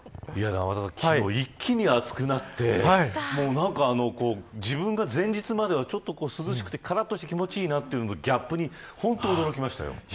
天達さん昨日一気に暑くなって自分が前日まではちょっと涼しくてからっとして気持ちいいなというギャップに本当に驚きました。